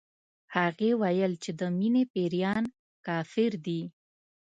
هغې ويل چې د مينې پيريان کافر دي